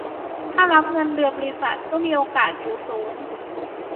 ถ้ารับเงินเดือนบริษัทก็มีโอกาสอยู่สูง